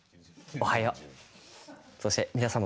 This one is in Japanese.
おはよう。